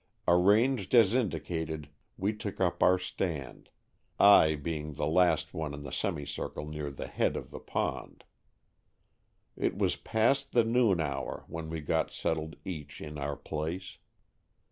Arranged as indicated, we took up our stand, I being the last one in the semicircle near the head of the pond. It was past the noon hour when we got settled each in our place.